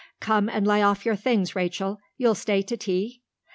Come and lay off your things, Rachel. You'll stay to tea?"